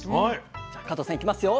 じゃあ加藤さんいきますよ。